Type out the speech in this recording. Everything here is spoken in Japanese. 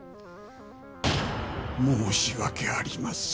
申し訳ありません。